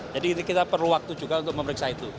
jadi kita perlu waktu juga untuk memeriksa itu